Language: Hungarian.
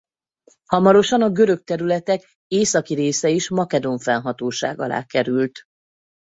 Hamarosan a görög területek északi része is makedón fennhatóság alá került.